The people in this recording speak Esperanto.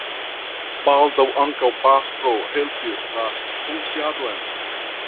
Baldaŭ ankaŭ pastro helpis la funkciadon.